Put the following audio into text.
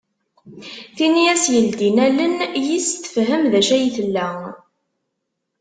Tin i as-yeldin allen, yis-s tefhem d acu ay tella.